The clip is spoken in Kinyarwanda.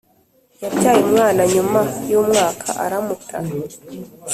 Yabyaye umwana nyuma y’umwaka aramuta